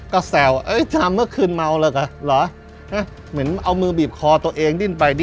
กินเมี่ยเข้าที่คุณมัวกันเหมือนมันเอามือบีบคอตัวเองดิ้นไป